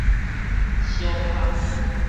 小學